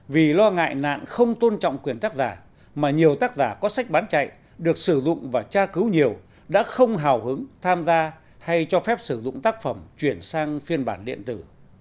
vì lo ngại nạn không tôn trọng quyền tác giả mà nhiều tác giả có sách bán chạy được sử dụng và tra cứu nhiều đã không hào hứng tham gia hay cho phép sử dụng tác phẩm chuyển sang phiên bản điện tử